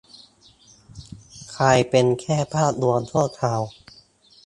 กลายเป็นแค่ภาพลวงชั่วคราว